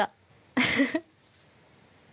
ウフフ。